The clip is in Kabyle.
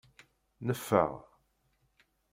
Neffeɣ.